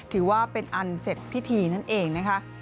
ถือว่าเป็นอันเสร็จพิธีนั่นเองนะคะ